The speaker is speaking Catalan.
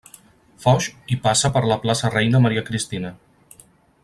Foix i passa per la plaça Reina Maria Cristina.